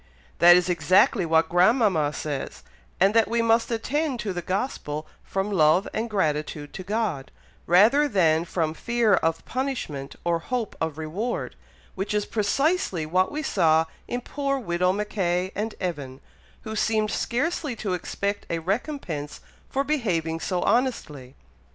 "That is exactly what grandmama says, and that we must attend to the Gospel from love and gratitude to God, rather than from fear of punishment or hope of reward, which is precisely what we saw in poor widow Mackay and Evan, who seemed scarcely to expect a recompense for behaving so honestly."